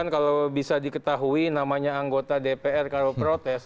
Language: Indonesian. kalau bisa diketahui namanya anggota dpr kalau protes